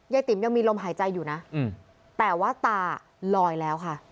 ติ๋มยังมีลมหายใจอยู่นะแต่ว่าตาลอยแล้วค่ะ